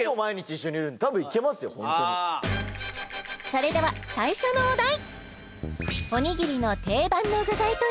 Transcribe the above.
それでは最初のお題